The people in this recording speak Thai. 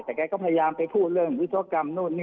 แต่แกก็พยายามไปพูดเรื่องวิศวกรรมนู่นนี่